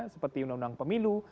seperti undang undang pemilu